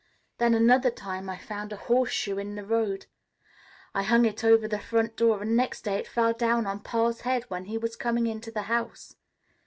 Then another time I found a horseshoe in the road. I hung it over the front door and next day it fell down on Pa's head when he was coming into the house.